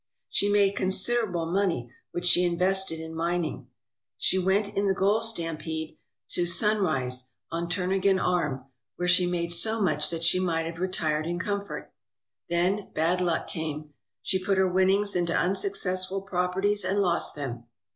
She made considerable money, which she invested in mining. She went in the gold stampede to 303 ALASKA OUR NORTHERN WONDERLAND Sunrise, on Turnagain Arm, where she made so much that she might have retired in comfort. Then bad luck came. She put her winnings into unsuccessful properties and lost them.